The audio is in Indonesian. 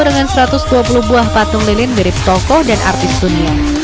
dengan satu ratus dua puluh buah patung lilin mirip tokoh dan artis dunia